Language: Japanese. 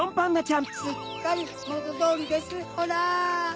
すっかりもとどおりですホラ！